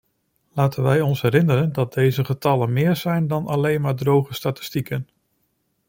Laten we ons herinneren dat deze getallen meer zijn dan alleen maar droge statistieken.